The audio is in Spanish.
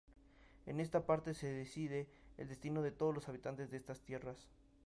En esta parte se decide el destino de todos los habitantes de estas tierras.